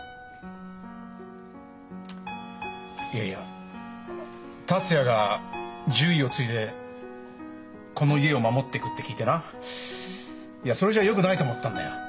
いやいやあの達也が「獣医を継いでこの家を守ってく」って聞いてなそれじゃあよくないと思ったんだよ。